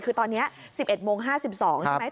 คือตอนนี้๑๑โมง๕๒ใช่ไหม